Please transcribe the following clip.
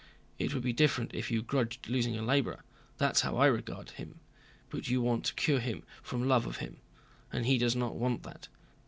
It would be different if you grudged losing a laborer—that's how I regard him—but you want to cure him from love of him. And he does not want that.